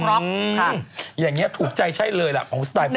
ถามจริงหรออยู่ได้เดี๋ยวพูดถาม